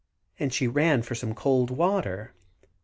and she ran for some cold water.